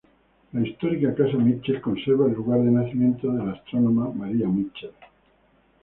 La histórica Casa Mitchell conserva el lugar de nacimiento de la astrónoma Maria Mitchell.